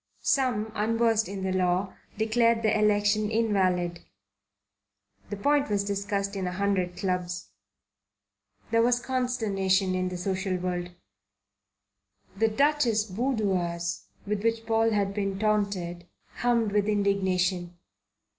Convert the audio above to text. Some, unversed in the law, declared the election invalid. The point was discussed in a hundred clubs. There was consternation in the social world. The Duchesses' boudoirs with which Paul had been taunted hummed with indignation.